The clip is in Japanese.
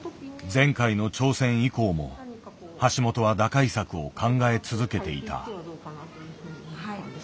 前回の挑戦以降も橋本は打開策を考え続けていた。